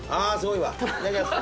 いただきます。